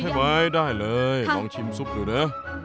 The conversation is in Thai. ชิมน้ำซุปให้ไว้ได้เลยลองชิมซุปดูนะ